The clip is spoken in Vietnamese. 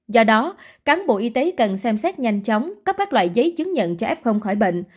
do đó cán bộ y tế cần xem xét nhanh chóng cấp các loại giấy chứng nhận cho f khỏi bệnh